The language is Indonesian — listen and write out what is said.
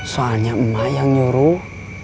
soalnya ibu yang nyuruh